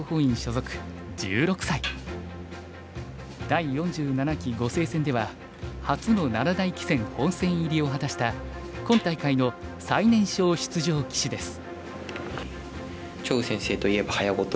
第４７期碁聖戦では初の七大棋戦本戦入りを果たした今大会の最年少出場棋士です。